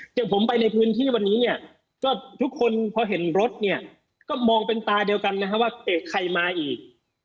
อย่างผมไปในพื้นที่วันนี้เนี่ยก็ทุกคนพอเห็นรถเนี่ยก็มองเป็นตาเดียวกันนะครับว่าเตะใครมาอีก